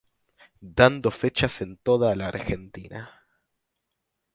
Dando fechas en toda la Argentina.